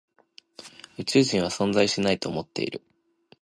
宇宙人は存在しないと思っている。